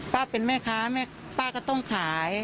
ป้าเป็นแม่ค้าป้าก็ต้องขาย